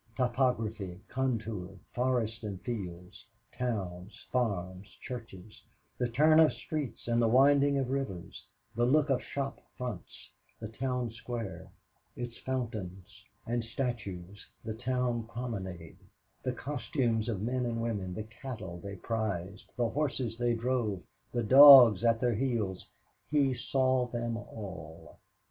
Topography, contour, forests and fields, towns, farms, churches, the turn of streets and the winding of rivers, the look of shop fronts, the town square, its fountains and statues, the town promenade, the costumes of men and women, the cattle they prized, the horses they drove, the dogs at their heels he saw them all.